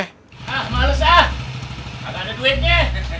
hah males ah gak ada duitnya